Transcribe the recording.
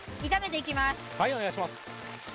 はいお願いします。